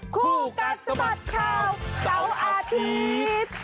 คู่กัดสบัดข่าว๙อาทิตย์